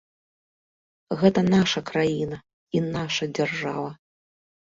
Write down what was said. Гэта наша краіна і наша дзяржава.